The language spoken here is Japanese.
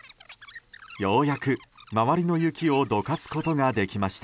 ようやく、周りの雪をどかすことができました。